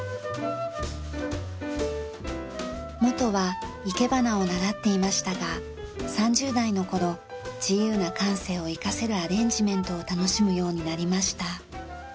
もとは生け花を習っていましたが３０代の頃自由な感性を生かせるアレンジメントを楽しむようになりました。